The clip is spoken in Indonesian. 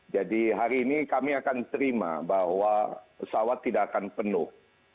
jadi hari ini kami akan terima bahwa pesawat tidak akan penuh